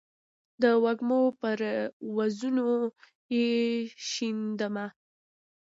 د وږمو پر وزرونو یې شیندمه